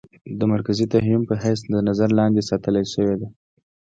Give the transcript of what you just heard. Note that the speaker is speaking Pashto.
د مرکزي تهيم په حېث د نظر لاندې ساتلے شوې ده.